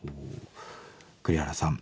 「栗原さん